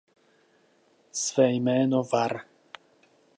Své jméno var.